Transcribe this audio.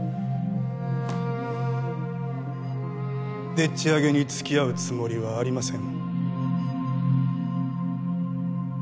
でっちあげにつきあうつもりはありません